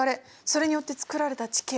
それによってつくられた地形。